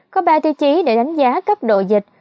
có ba tiêu chí để đánh giá cấp độ dịch